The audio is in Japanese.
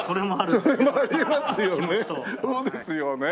そうですよね。